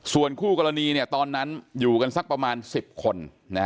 ส่วนคู่กรณีตอนนั้นอยู่กันสักประมาณ๑๐คน